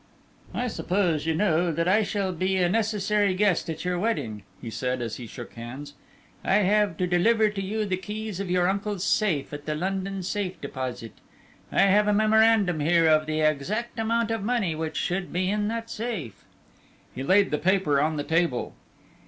"I suppose you know that I shall be a necessary guest at your wedding," he said, as he shook hands. "I have to deliver to you the keys of your uncle's safe at the London Safe Deposit. I have a memorandum here of the exact amount of money which should be in that safe." He laid the paper on the table.